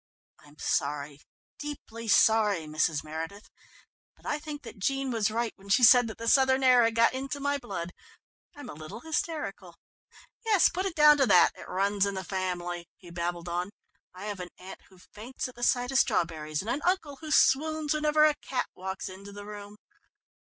I'm sorry, deeply sorry, Mrs. Meredith, but I think that Jean was right when she said that the southern air had got into my blood. I'm a little hysterical yes, put it down to that. It runs in the family," he babbled on. "I have an aunt who faints at the sight of strawberries, and an uncle who swoons whenever a cat walks into the room."